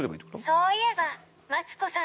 そういえば。